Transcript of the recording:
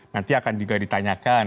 nanti akan juga ditanyakan